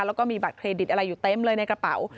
แล้วก็มีบัตรเครดิตอะไรอยู่เต็มเลยในกระเป๋า